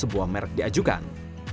sebuah merek diajukan